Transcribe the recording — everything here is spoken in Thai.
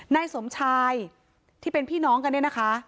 ในสมชายที่เป็นพี่น้องกันด้วยนะคะ